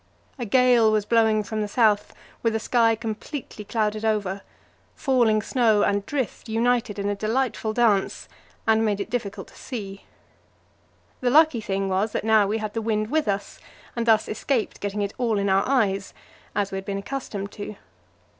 A gale was blowing from the south, with a sky completely clouded over; falling snow and drift united in a delightful dance, and made it difficult to see. The lucky thing was that now we had the wind with us, and thus escaped getting it all in our eyes, as, we had been accustomed to.